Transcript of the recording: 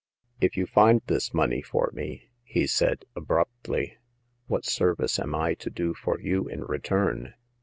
If you find this money for me," he said, abruptly, " what service am I to do for you in return